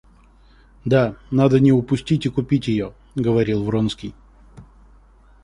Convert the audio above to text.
Да, надо не упустить и купить ее, — говорил Вронский.